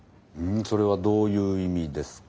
それはどういう意味ですか？